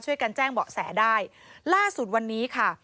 แจ้งเบาะแสได้ล่าสุดวันนี้ค่ะ